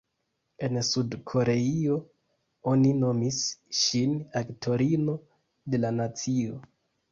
En Sud-Koreio oni nomis ŝin ""aktorino de la nacio"".